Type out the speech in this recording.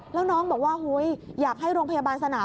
แล้วน้องบอกว่าอยากให้โรงพยาบาลสนาม